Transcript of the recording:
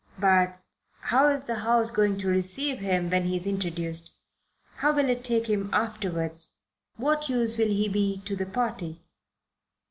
But how is the House going to receive him when he is introduced? How will it take him afterwards? What use will he be to the party?